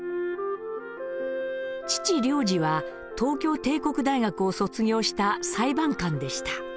父亮治は東京帝国大学を卒業した裁判官でした。